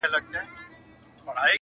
اوس به څوك د پاني پت په توره وياړي.!